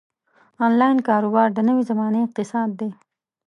انلاین کاروبار د نوې زمانې اقتصاد دی.